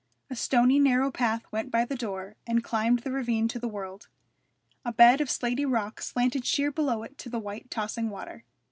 A stony, narrow path went by the door and climbed the ravine to the world; a bed of slaty rock slanted sheer below it to the white tossing water.